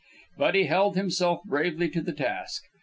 But he held himself bravely to the task.